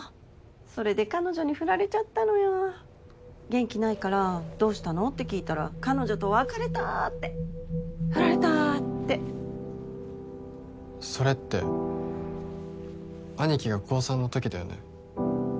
それで彼女にフラれちゃったのよ元気ないからどうしたの？って聞いたら彼女と別れたってフラれたってそれって兄貴が高３のときだよね？